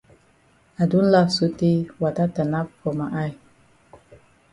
I don laf sotay wata tanap for ma eye.